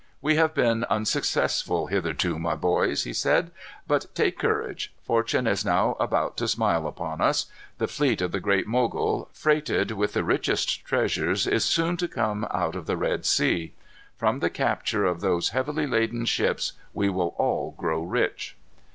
"We have been unsuccessful hitherto, my boys," he said; "but take courage. Fortune is now about to smile upon us. The fleet of the Great Mogul, freighted with the richest treasures, is soon to come out of the Red Sea. From the capture of those heavily laden ships we will all grow rich."